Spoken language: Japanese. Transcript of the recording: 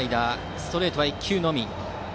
ストレートは１球のみ。